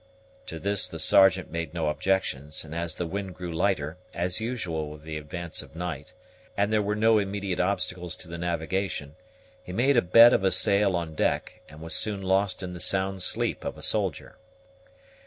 To this the Sergeant made no objections; and as the wind grew lighter, as usual with the advance of night, and there were no immediate obstacles to the navigation, he made a bed of a sail on deck, and was soon lost in the sound sleep of a soldier.